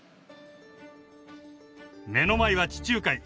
目の前は地中海。